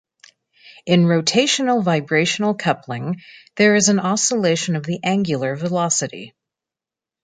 In rotational-vibrational coupling there is an oscillation of the angular velocity.